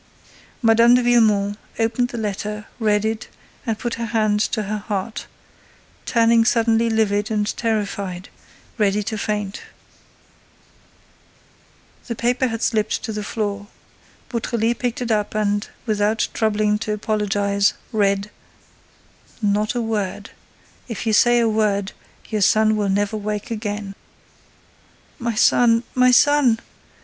Mme. de Villemon opened the letter, read it, and put her hand to her heart, turning suddenly livid and terrified, ready to faint. The paper had slipped to the floor. Beautrelet picked it up and, without troubling to apologize, read: Not a word! If you say a word, your son will never wake again. "My son—my son!"